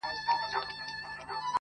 را تېر سوی وي په کلیو په بانډو کي -